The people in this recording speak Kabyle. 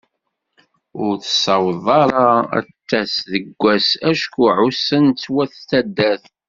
Ur tessaweḍ ara ad d-tass deg wass acku ɛussen-tt wat taddart.